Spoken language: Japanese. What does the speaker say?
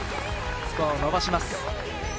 スコアを伸ばします。